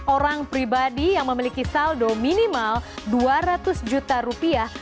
orang pribadi yang memiliki saldo minimal dua ratus juta rupiah